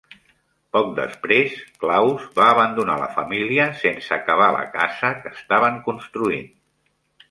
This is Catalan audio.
Poc després, Claus va abandonar la família sense acabar la casa que estaven construint.